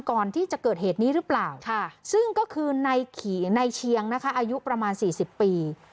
ก่อนที่จะเกิดเหตุนี้หรือเปล่าซึ่งก็คือในเชียงนะคะอายุประมาณ๔๐ปี